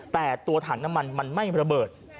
แต่ตัวถังน้ำมันมันไม่ระเบิด